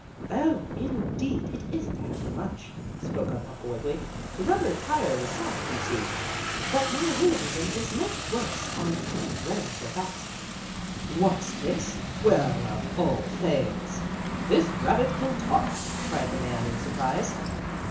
"Oh, indeed, it isn't hurt much," spoke up Uncle Wiggily. "The rubber tire was soft, you see. But my rheumatism is much worse on account of running so fast." "What's this? Well, of all things! This rabbit can talk!" cried the man in surprise.